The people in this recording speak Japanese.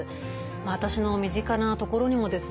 私の身近なところにもですね